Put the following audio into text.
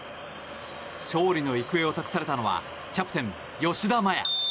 勝利の行方を託されたのはキャプテン、吉田麻也。